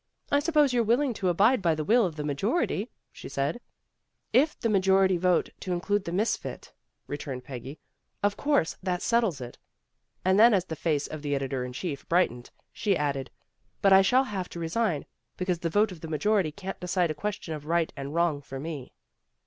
"I suppose you're willing to abide by the will of the majority," she said. A PARTIAL ECLIPSE 263 "If the majority vote to include 'The Mis fit,' " returned Peggy, "Of course that settles it." And then as the face of the editor in chief brightened, she added, "But I shall have to resign, because the vote of the majority can't decide a question of right and wrong for me."